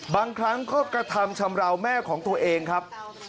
บางครั้งก็กระทำชำราวแม่ของตัวเองครับ